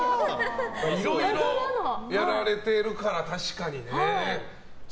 いろいろやられてるから確かにね。